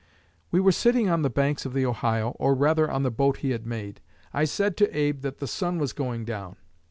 "We were sitting on the banks of the Ohio, or rather on the boat he had made. I said to Abe that the sun was going down.